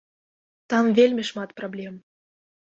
Там вельмі шмат праблем!